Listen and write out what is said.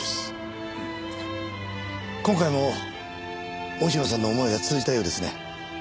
今回も忍野さんの思いが通じたようですね。